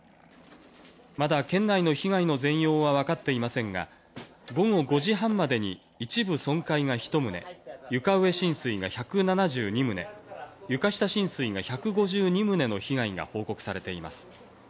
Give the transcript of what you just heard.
まだ県内の被害の全容は分かっていませんが、午後５時半までに一部損壊が１棟、床上浸水が１７２棟、床下浸水が１５２棟の被害が報告されています。